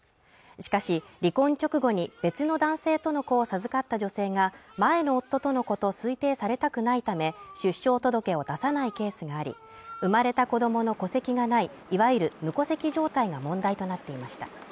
しかし離婚直後に別の男性との子を授かった女性が前の夫との子と推定されたくないため出生届を出さないケースがあり生まれた子供の戸籍がないいわゆる無戸籍状態が問題となっていました